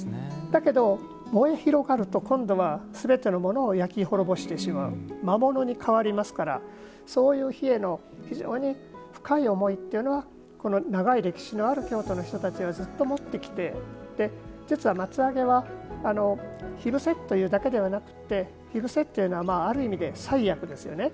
だけど、燃え広がると今度は、すべてのものを焼き滅ぼしてしまう魔物に変わりますからそういう火への非常に深い思いというのは長い歴史のある京都の人たちはずっと持ってきて実は松上げは火伏せというだけではなくて火伏せはある意味で災厄ですよね。